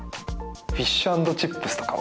フィッシュアンドチップスとかは？